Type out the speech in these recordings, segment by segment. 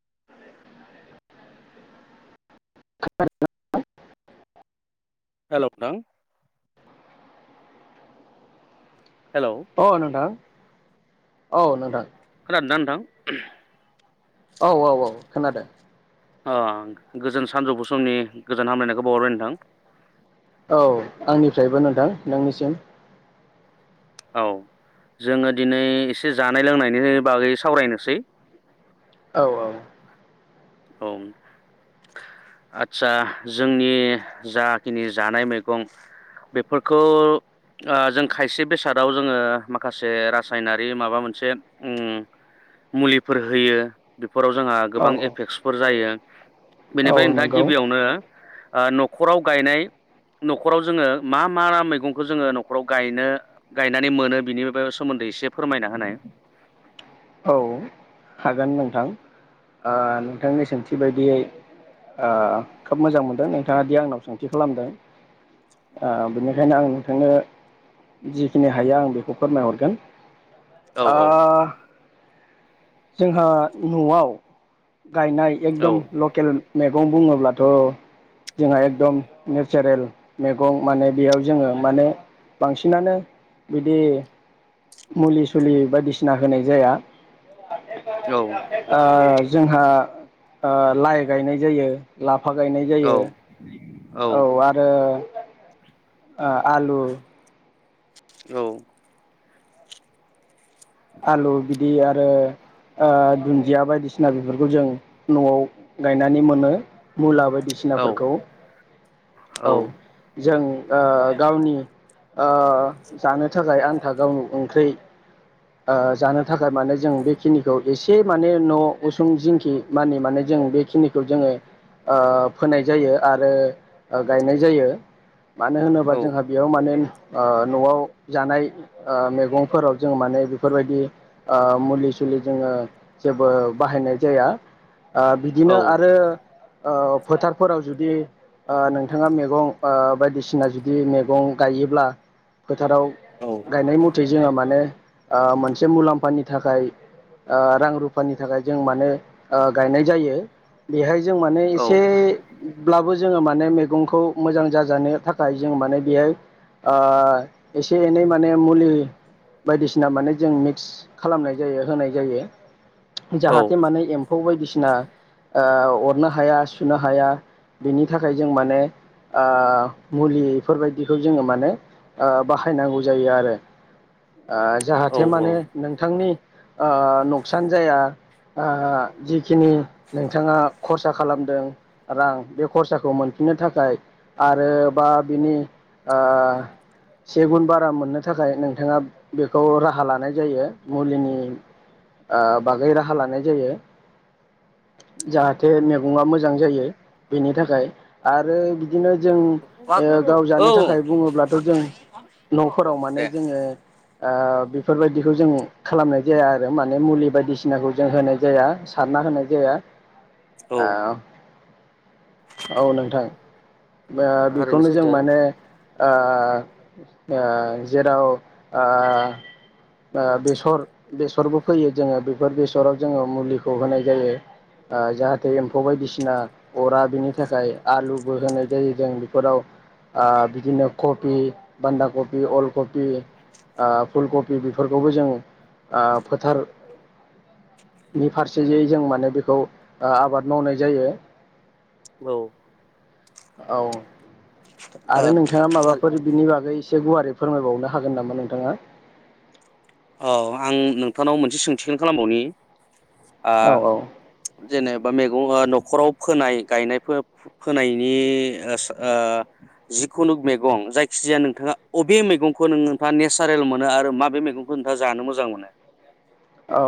[inaudible] [unintelligible] हेल' नोंथां हेल' अ नोंथां औ नोंथां खोनादोंना नोंथां औ औ औ खोनादों ओ गोजोन सानजौफु समनि गोजोन हामलायनायखौ बावहरबाय नोंथां औ आंनिफ्रायबो नोंथां नोंनिसिम औ जोङो दिनै एसे जानाय लोंनायनि बागै सावरायनोसै। औ औ। औ, आतसा जोंनि जाखिनि जानाय मैगं बेफोरखौ ओ जों खायसे बेसादाव जोङो माखासे रासायनारि माबा मोनसे मुलिफोर होयो। फोराव जोंहा औ गोबां एफ जायो। औ बेनिफ्राय नोंथाङा नंगौ गिबियावनो ओ न'खराव गायनाय न'खराव जोङो मा मा मैगंखौ जोङो न'खराव गायनो गायनानै मोनो बिनि सोमोन्दै एसे फोरमायना होनाय। औ हागोन नोंथां। ओ नोंथांनि सोंथि बायदियै ओ खोब मोजां मोनदों नोंथाङा दि आंनाव सोंथि खालामदों। ओ बेनिखायनो आं नोंथांनो जिखिनि हायो आं बेखौ फोरमायहरगोन। औ औ ओ जोंहा न'आव गायनाय औ एकदम लकेल मेगं बुङोब्लाथ' जोंहा एकदम नेचारेल मेगं माने बेयाव जोङो माने बांसिनानो बिदि मुलि सुलि बायदिसिना होनाय जाया। औ [unintelligible] आ जोंहा ओ लाइ गायनाय जायो लाफ फा गायनाय औ जायो। औ आरो ओ ओ आलु औ। आलु बिदि आरो ओ दुन्दिया बायदिसिना बेफोरखौ जों न'आव गायनानै मोनो। मुला बायदि औ बिसिनाफोरखौ औ जों ओ गावनि ओ जानो थाखाय आन्था गावनो ओंख्रै ओ जानो थाखाय माने जों बेखिनिखौ एसे माने न' उसुं जिंखि मानि माने जों बेखिनिखौ जोंङो ओ फोनाय जायो आरो गायनाय जायो। मानो होनोबा जोंहा बेयाव माने ओ न'आव जानाय ओ मैगंफोराव जोंङो माने बेफोरबायदि ओ मुलि सुलि जोङो जेबो बाहायनाय जाया। ओ बिदिनो आरो ओ फोथारफोराव जुदि ओ नोंथांङा मेगं ओ बायदिसिना जुदि मेगं गायोब्ला फोथाराव गायनाय मथे जोंङो माने ओ मोनसे मुलाम्फानि थाखाय ओ रां रुफानि थाखाय जों मानो ओ गायनाय जायो। बेहाय जों माने औ एसे ब्लाबो जोंङो माने मेगंखौ मोजां जाजानो थाखाय जोंङो माने बेहाय ओ एसे एनै माने मुलि बायदिसिना सिना माने जों मिक्स खालामनाय जायो होनाय जायो। जाहाथे माने एम फौ बायदिसिना ओ अरनो हाया सुनो हाया। बेनि थाखाय जों माने ओ मुलि एफोरबायदिखौ जोंङो माने बाहायनांगौ जायो आरो। ओ औ जाहाथे माने नोंथांनि ओ नकसान जाया ओ जि जिखिनि नोंथांङा खरसा खालामदों। रां बे खरसाखौ मोनफिननो थाखाय आरो बा बिनि ओ से गुन बारा मोननो थाखाय नोंथाङा बे खौ राहा लानाय जायो मुलिनि ओ बागै राहा लानाय जायो जाहाथे मैगंया मोजां जायो बेनि थाखाय आरो बिदिनो जों ओ गाव औ जानो थाखाय बुङोब्लाथ' जों न'फोराव माने दे जोंङो ओ बेफोरबायदिखौ जों खालामनाय जाया आरो माने मुलि बायदिसिनाखौ जों होनाय जाया सारना होनाय जाया। औ [unintelligible] औ नोंथां। ओ थारैनो बेखौनो जों सैथो माने ओ ओ जेराव ओ ओ बेसर बेसरबो फैयो जोंङो बेफोर बेसराव जोंङो मुलिखौ होनाय जायो ओ जाहाथे एम्फौ बायदिसिना अरा बेनि थाखाय आलुबो होनाय जायो जों बेफोराव ओ बिदिनो कबि बान्दा कबि अल खबि ओ फुलकबि बेफोरखौबो जों ओ फोथारनि फारसेयै जों माने बेखौ ओ आबाद मावनाय जायो। औ। औ। आरो नोंथांङा माबाफोर बिनि बागै एसे गुवारै फोरमायबावनो हागोन नामा नों थांङा औ आं नोंथांनाव मोनसे सोंथिखोनो खालामबावनि। औ औ। जेनेबा मैगं ओ न'खराव फोनाय गायनाय फोनायनि ओ जिखुनु मैगं जायखिजाया नोंथाङा अबे मैगंखौ नों नोंथाङा नेचारेल मोनो आरो माबे मैगं खोनथा जानो मोजां मोनो। औ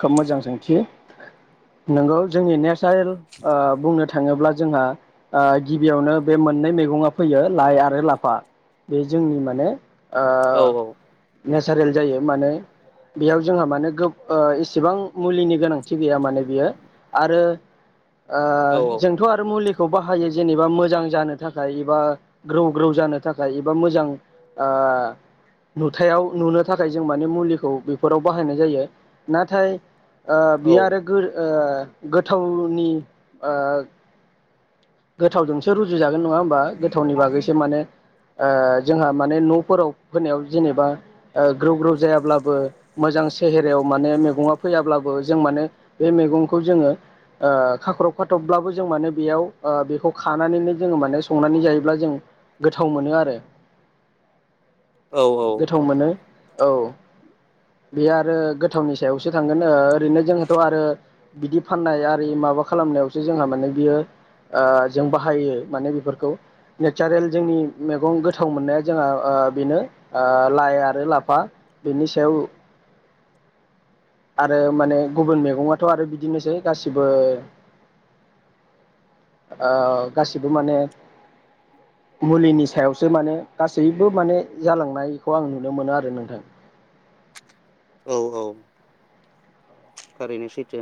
खोब मोजां सोंथि नोंगौ जोंनि नेस [unintelligible] बुंनो थाङोब्ला जोंहा ओ गिबियावनो बे मोननै मैगङा फैयो लाइ आरो लाफा बे जोंनि माने ओ औ नेचारेल जायो माने बेयाव जोंहा माने [unintelligible] एसेबां मुलिनि गोनांथि गैया माने बियो आरो ओ औ जोंथ' आरो मुलि खौ बाहायो जेनेबा मोजां जानो थाखाय एबा ग्रौ ग्रौ जानो थाखाय एबा मोजां ओ नुथायाव नुनो थाखाय जों माने मुलिखौ बे फोराव बाहायनाय जायो नाथाय ओ औ बियो आरो [unintelligible] गोथावनि ओ गोथावजोंसो रुजुजागोन नङा होमबा गोथावनि बागैसो माने ओ जोंहा माने न'फोराव होनायाव जेनेबा ओ ग्रौ ग्रौ जायाब्लाबो मोजां सेहेरायाव माने मैगङा फैयाब्लाबो जों माने बे मैगंखौ जोङो ओ खाख्रब खाथ्रबब्लाबो जों माने बेयाव बेखौ खानानैनो जोङो माने संनानै जायोब्ला जों गोथाव मोनो आरो। औ गोथाव मोनो। औ। बेयो आरो गोथावनि सायावसो थांगोन ओ ओरैनो जोंथ' आरो बिदि फाननाय आरि माबा खालामनायावसो जोंहा माने बियो ओ जों बाहायो माने बेफोरखौ नेचारेल जोंनि मैगं गोथाव मोननाया जोंहा ओ बेनो ओ लाइ आरो लाफा बेनि सायाव आरो माने गुबुन मैगङाथ' आरो बिदिनोसै गासिबो ओ गासिबो माने मुलिनि सायावसो माने गासैबो माने जालांनायखौ आं नुनो मोनो आरो नोंथां। औ औ थारैनो सैथो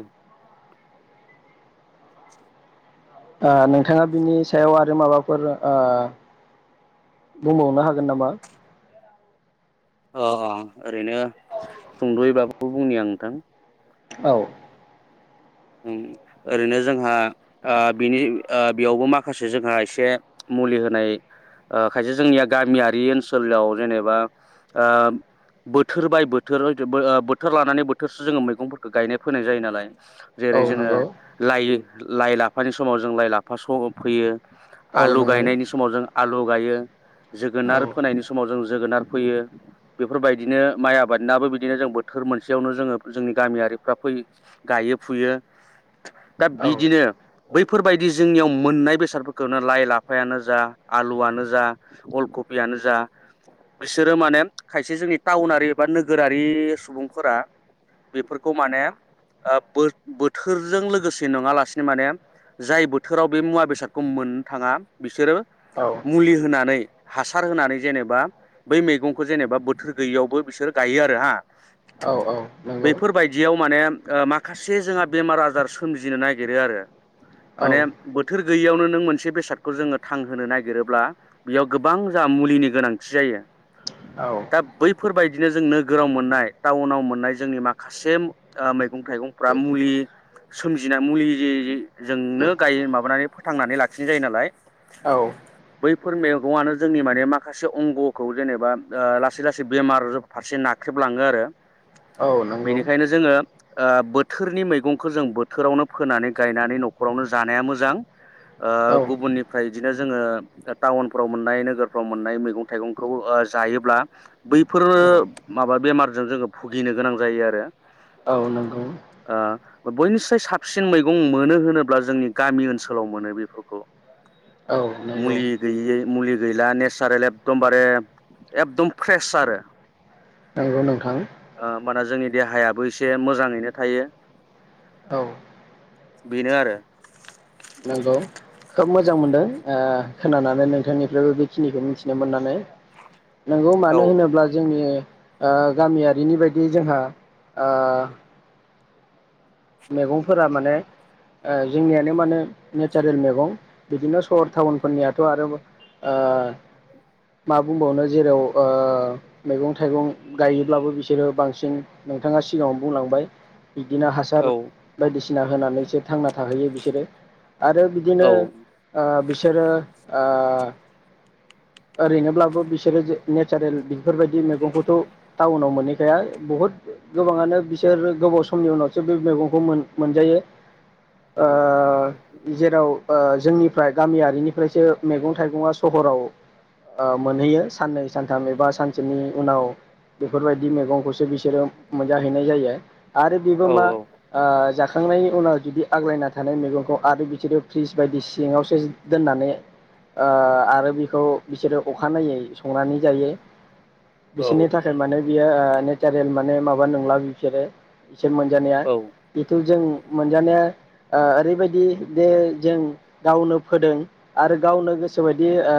ओ नोंथाङा बिनि सायाव आरो माबाफोर ओ बुंबावनो हागोन नामा? अ अ ओरैनो सुंद'यैबाबो बुंनि आं नोंथां। औ उम ओरैनो जोंहा आ बिनि आ बेयावबो माखासे जोंहा एसे मुलि होनाय ओ खायसे जोंनिया गामियारि ओनसोलाव जेनेबा ओ बोथोर बाय बोथोरथ ओ बोथोर लानानै बोथोरसो जोङो मैगंफोरखौ गायनाय फैनाय जायो नालाय। जेरै औ जोङो नंगौ लायो लाइ लाफानि समाव जों लाइ लाफा स फैयो औ आलु नंगौ गायनायनि समाव जों आलु गायो। औ जोगोनार फोनायनि समाव जों जोगोनार फैयो बेफोरबायदिनो माइ आबादनाबो बिदिनो जों बोथोर मोनसेयावनो जोङो जोंनि गामियारिफ्रा फै गायो। फुयो। दा औ बिदिनो बैफोरबायदि जोंनियाव मोननाय बेसादफोरखौनो लाइ लाफायानो जा आलुआनो जा अलखबियानो जा बिसोरो माने खायसे जोंनि टाउनारि बा नोगोरारि सुबुंफोरा बेफोरखौ माने ओ बो बोथोरजों लोगोसे नङालासिनो माने जाय बोथोराव बे मुवा बेसादखौ मोननो थाङा बिसोरो औ मुलि होनानै हासार होनानै जेनेबा बै मैगंखौ जेनेबा बोथोर गैयियावबो बिसोर गायो आरो हा औ औ नंगौ बैफोरबायदियाव माने ओ माखा से जोंहा बेमार आजार सोमजिनो नागिरो आरो। औ माने बोथोर गैयियावनो नों मोनसे बेसादखौ जोङो थांहोनो नागिरोब्ला बेयाव गोबां जा मुलिनि गोनांथि जायो औ दा बैफोरबाय बिदिनो जों नोगोराव मोननाय टाउनाव मोननाय जोंनि माखासेम ओ मैगं थाइगं फ्रा मुलि सोमजिना मुलि जेजे जोंनो गाय माबानानै थांनानै लाखिनो जायो नालाय औ बै बेफोर मैगंआनो जोंनि माने माखासे अंग'खौ जेनेबा ओ लासै लासै बेमार फारसे नाख्रेबलाङो आरो नंगौ बेनिखायनो जोङो आ बो थोरनि मैगंखौ जों बोथोरावनो फोनानै गायनानै न'खरावनो जानाया मोजां। औ ओ गुबुननिफ्राय बिदिनो जोङो टाउनफ्राव मोननाय नोगोरफ्राव मोननाय मैगं थाइगंखौ ओ जायोब्ला बैफोरो माबा बेमार जों जोङो भुगिनो गोनां जायो आरो औ नंगौ। ओ बयनिफ्राय साबसिन मैगं मोनो होनोब्ला जोंनि गामि ओनसोलाव मोनो बेफोरखौ औ नंगौ मुलि गैयि मुलि गैला नेचारेल एकदमबारे एकदम फ्रेस आरो नंगौ नोंथां ओ होमबाना जोंनि देहायाबो एसे मोजाङैनो थायो। औ बेनो आरो नंगौ खोब मोजां मोनदों ओ खोनानानै नोंथांनिफ्रायबो बेखिनिखौ मिथिनो मोननानै नंगौ औ मानो होनोब्ला जोंनि ओ गामियारिनि बायदि जोंहा ओ मैगंफोरा माने ओ जोंनियानो माने नेचारेल मैगं बिदिनो सहर टाउनफोरनियाथ' आरो ओ मा बुंबावनो जेराव ओ मैगं थाइगं गायोब्लाबो बिसोरो बांसिन नोंथाङा सिगाङाव बुंलांबाय बिदिनो हासार औ बायदिसिना होनानैसो थांना थाहैयो बिसोरो आरो औ बिदिनो ओ बिसोरो ओ ओरैनोब्लाबो बिसोरो नेचारेल बेफोरबायदि मैगंखौथ' टाउनाव मोनहैखाया बहुद गोबाङानो बिसोरो गोबाव समनि उनावसो बे मैगं खौ मोन-मोनजायो। ओ औ जेराव। ओ जोंनिफ्राय गामियारिनिफ्रायसो मैगं थाइगंआ सहराव ओ मोनैयो साननै सानथाम एबा सानसेनि उनाव बेफोरबायदि मैगंखौसो बिसोरो मोनजाहैनाय। जायो। आरो बेबो औ मा औ ओ जाखांनायनि उनाव जुदि आग्लायना थानाय मैगंखौ आरो बिसोरो फ्रिज बायदि सिङावसो दोननानै ओ आरो बेखौ बिसोरो अखानायै संनानै जायो। बिसोरनि थाखाय माने बियो ओ ने [unintelligible] माने माबा नंला बिसोरो। सेन मोनजानाया जिखौ जों मोनजानाया ओ ओरैबायदि बे जों गावनो फोदों आरो गावनो गोसोबायदि ओ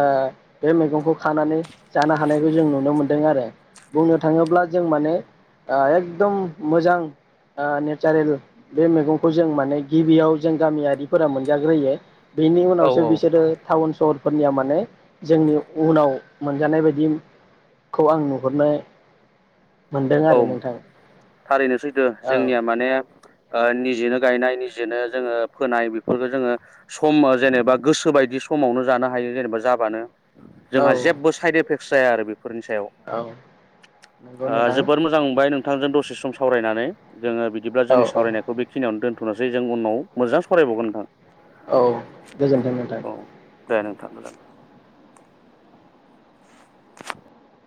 बे मैगंखौ खानानै जानो हानायखौ जों नुनो मोनदों आरो बुंनो थाङोब्ला जों माने एकदम मोजां ओ सारेल बे मैगंखौ जों माने गिबियाव जों गामियारिफोरा मोनजाग्रोयो। बेनि औ उनावसो बिसोरो टाउन सहर फोरनिया माने जोंनि उनाव मोनजानाय बायदिखौ आं नुहुरनो। मोनदों औ आरो नोंथां थारैनो सैथो औ जोंनिया माने ओ निजेनो गायनाय निजेनो जोङो फोनाय बेफोरखौ जोङो सम जेनेबा गोसो बायदि समावनो जानो हायो जेनेबा जाबानो औ जोंहा जेबो साइद एफेक्टस जाया आरो बे औ नंगौ नोंथां। बाय नोंथांजों दसे सम सावरायनानै जोङो बिदिब्ला औ जोंनि सावरायनायखौ बेखिनियावनो दोन थ'नोसै जों उनाव मोजां सरायबावगोन नोंथां। औ गोजोन्थों नोंथां। औ दे नोंथां [inaudible] [inaudible]